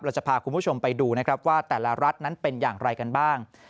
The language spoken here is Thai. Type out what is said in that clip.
จะพาคุณผู้ชมไปดูนะครับว่าแต่ละรัฐนั้นเป็นอย่างไรกันบ้าง